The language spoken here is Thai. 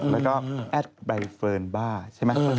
แล้วก็แอดใบเฟิร์นบ้าใช่ไหม